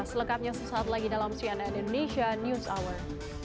selengkapnya sesaat lagi dalam cnn indonesia news hour